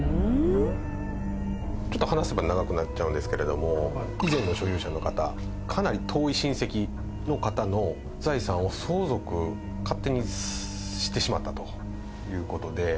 ちょっと話せば長くなっちゃうんですけれども以前の所有者の方かなり遠い親戚の方の財産を相続勝手にしてしまったということで。